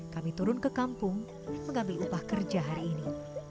kami turun ke kampung mengambil upah kerja hari ini